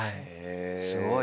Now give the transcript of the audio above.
すごいね。